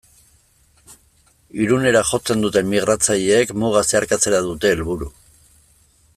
Irunera jotzen duten migratzaileek muga zeharkatzea dute helburu.